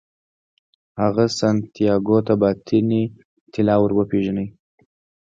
هغه سانتیاګو ته باطني طلا ورپېژني.